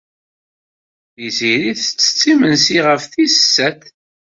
Tiziri tettett imensi ɣef tis sat.